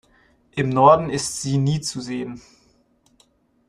Im Norden ist sie nie zu sehen.